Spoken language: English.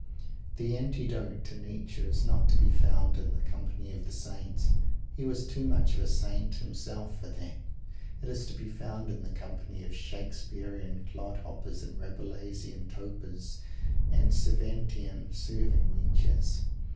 The antidote to Nietzsche is not to be found in the company of the Saints. He was too much of a Saint himself for that. It is to be found in the company of Shakespearean clodhoppers, and Rabelaisian topers, and Cervantian serving wenches.